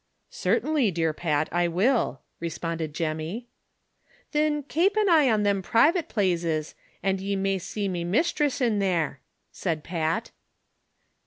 "Certainly, dear Pat, I will," responded Jemmy. "Thin, kape an eye on thim privat plazes, an' ye may sea me mishtress in thare," said Pat.